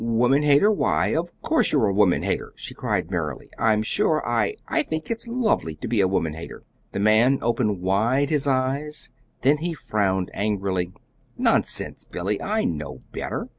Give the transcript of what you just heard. "Woman hater? Why, of course you're a woman hater," she cried merrily. "I'm sure, I I think it's lovely to be a woman hater." The man opened wide his eyes; then he frowned angrily. "Nonsense, Billy, I know better.